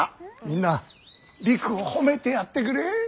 みんなりくを褒めてやってくれ。